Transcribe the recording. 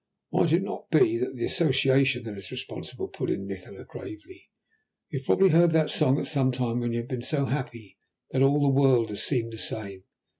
"Might it not be the association that is responsible?" put in Nikola gravely. "You have probably heard that song at some time when you have been so happy that all the world has seemed the same.